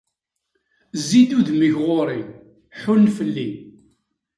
Zzi-d udem-ik ɣur-i, ḥunn fell-i.